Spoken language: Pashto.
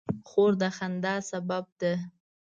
خور د خندا سبب ده.